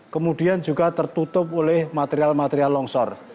kemudian juga tertutup oleh material material longsor